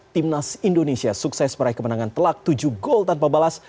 timnas indonesia sukses meraih kemenangan telak tujuh gol tanpa balas